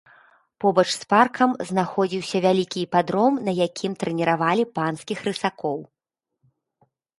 Побач з паркам знаходзіўся вялікі іпадром, на якім трэніравалі панскіх рысакоў.